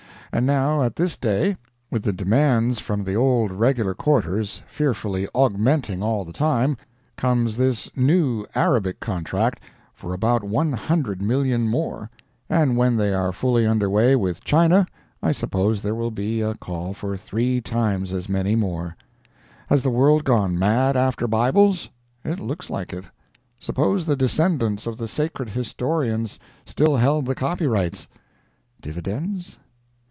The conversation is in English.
And now at this day, with the demands from the old regular quarters fearfully augmenting all the time, comes this new Arabic contract for about 100,000,000 more, and when they are fully under way with China I suppose there will be a call for three times as many more! Has the world gone mad after Bibles? It looks like it. Suppose the descendants of the sacred historians still held the copyrights! Dividends?